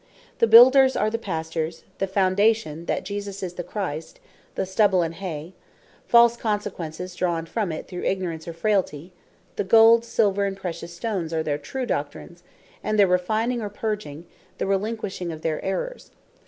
The Builders, are the Pastors; the Foundation, that Jesus Is The Christ; the Stubble and Hay, False Consequences Drawn From It Through Ignorance, Or Frailty; the Gold, Silver, and pretious Stones, are their True Doctrines; and their Refining or Purging, the Relinquishing Of Their Errors.